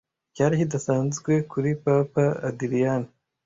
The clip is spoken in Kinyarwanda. Icyari kidasanzwe kuri Papa Adrian